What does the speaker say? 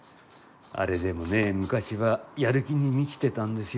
あれでもね昔はやる気に満ちてたんですよ。